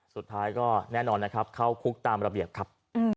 สุดท้ายก็แน่นอนนะครับเข้าคุกตามระเบียบครับ